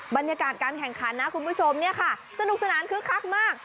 บรรยากาศการแข่งขันนะคุณผู้ชมเนี่ยค่ะสนุกสนานคึกคักมาก